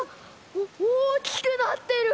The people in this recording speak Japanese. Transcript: おおおきくなってる！